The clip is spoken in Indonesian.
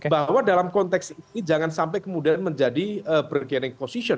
bahwa dalam konteks ini jangan sampai kemudian menjadi bergaining position